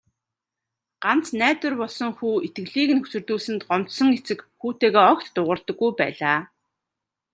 Ганц найдвар болсон хүү итгэлийг нь хөсөрдүүлсэнд гомдсон эцэг хүүтэйгээ огт дуугардаггүй байлаа.